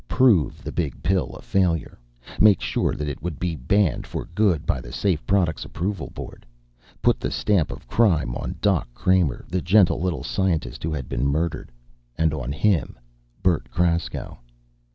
Prove the Big Pill a failure. Make sure that it would be banned for good by the Safe Products Approval Board. Put the stamp of crime on Doc Kramer, the gentle little scientist who had been murdered! And on him, Bert Kraskow.